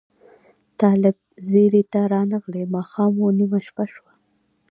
طالب ځیري ته رانغلې ماښام و نیمه شپه شوه